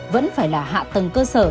vẫn phải là hạ tầng cơ sở